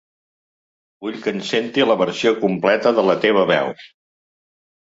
Vull que en senti la versió completa de la teva veu.